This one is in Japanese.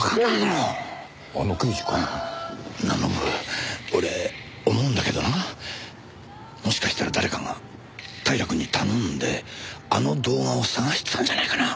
うん。なあノブ俺思うんだけどなもしかしたら誰かが平くんに頼んであの動画を捜してたんじゃないかな？